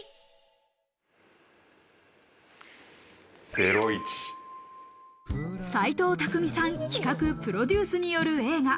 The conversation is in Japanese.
『ゼロイチ』斎藤工さん企画・プロデュースによる映画。